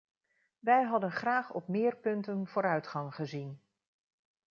Wij hadden graag op meer punten vooruitgang gezien.